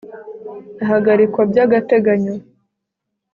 ahagarikwa byagateganyo